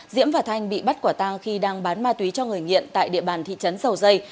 diễm và thanh bị bắt quả tang khi đang bán ma túy cho người nghiện tại địa bàn thị trấn dầu dây